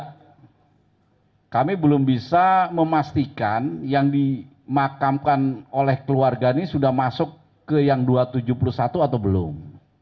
karena kami belum bisa memastikan yang dimakamkan oleh keluarga ini sudah masuk ke yang dua ratus tujuh puluh satu atau belum